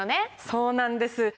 そうなんです。